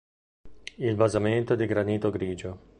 Il basamento è di granito grigio.